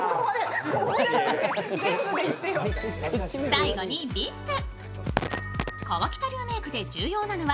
最後にリップ。